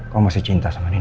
ko masih cinta sama nino